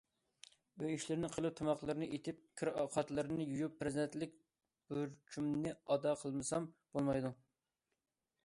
ئۆي ئىشلىرىنى قىلىپ، تاماقلىرىنى ئېتىپ، كىر قاتلىرىنى يۇيۇپ، پەرزەنتلىك بۇرچۇمنى ئادا قىلمىسام بولمايدۇ.